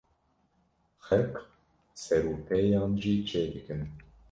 Xelk serûpêyan jî çêdikin.